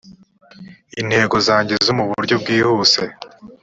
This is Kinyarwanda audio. intego zanjye zo mu buryo bwihuse